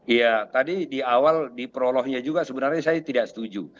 ya tadi di awal di prolognya juga sebenarnya saya tidak setuju